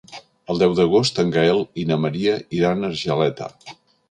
El deu d'agost en Gaël i na Maria iran a Argeleta.